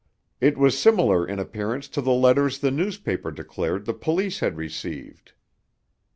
It was similar in appearance to the letters the newspapers declared the police had received.